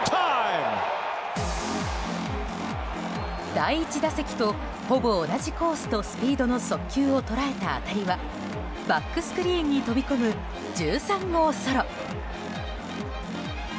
第１打席とほぼ同じコースとスピードの速球を捉えた当たりはバックスクリーンに飛び込む１３号ソロ。